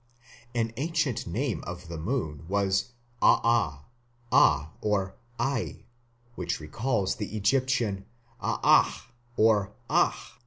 An ancient name of the moon was Aa, Â, or Ai, which recalls the Egyptian Aâh or Ah.